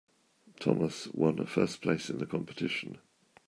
Thomas one first place in the competition.